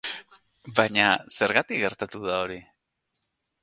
Baina, zergatik gertatu da hori?